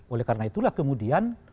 oleh karena itulah kemudian